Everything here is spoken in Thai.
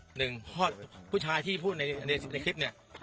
เพราะผู้ชายที่พูดในคลิปเนี่ย